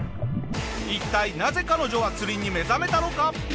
一体なぜ彼女は釣りに目覚めたのか？